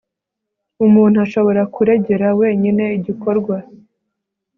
umuntu ashobora kuregera wenyine igikorwa